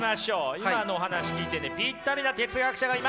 今のお話聞いててピッタリな哲学者がいます！